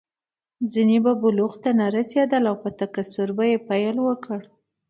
ځینې به بلوغ ته رسېدل او په تکثر یې پیل وکړ.